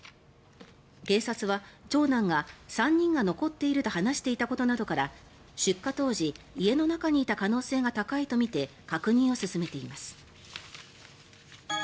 警察は長男が３人が残っていると話していたことなどから出火当時家の中にいた可能性が高いとみて確認を進めています。